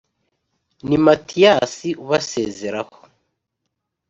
Ni Matiyasi ubasezeraho.